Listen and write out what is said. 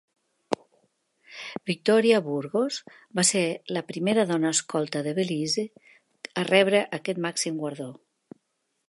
Victoria Burgos va ser la primera dona escolta de Belize a rebre aquest màxim guardó.